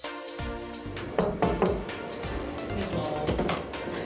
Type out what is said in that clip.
失礼します。